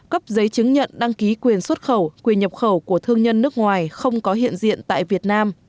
cấp giấy chứng nhận đăng ký quyền xuất khẩu quyền nhập khẩu của thương nhân nước ngoài không có hiện diện tại việt nam